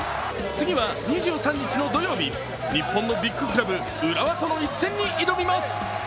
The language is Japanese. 次は２３日の土曜日、日本のビッグクラブ・浦和との一戦に挑みます。